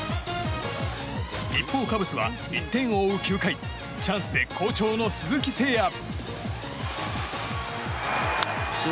一方、カブスは１点を追う９回チャンスで好調の鈴木誠也。